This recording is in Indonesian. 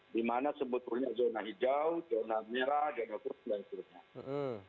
dimana sebetulnya zona hijau zona merah zona kuning dan sebagainya